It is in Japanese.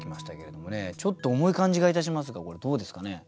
ちょっと重い感じがいたしますがこれどうですかね？